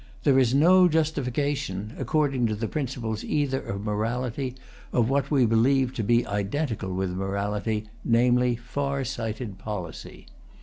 This is no justification, according to the principles either of morality, or of what we believe to be identical with morality, namely, far sighted policy.